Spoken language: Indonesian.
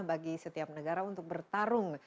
bagi setiap negara untuk bertarung